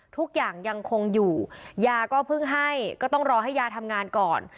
ทุกอย่างยังคงอยู่ยาก็เพิ่งให้ก็ต้องรอให้ยาทำงานก่อน